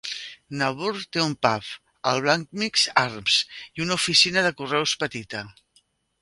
Naburn té un pub, el "Blacksmiths Arms" i una oficina de correus petita.